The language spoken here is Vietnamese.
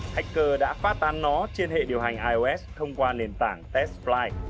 hacker đã phát tán nó trên hệ điều hành ios thông qua nền tảng tesly